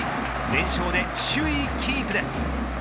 連勝で首位キープです。